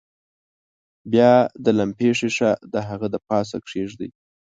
بیا د لمپې ښيښه د هغه د پاسه کیږدئ.